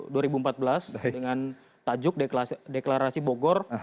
dengan tajuk deklarasi bogor